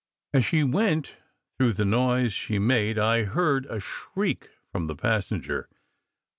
As she went, through the noise she made I heard a shriek from the passenger.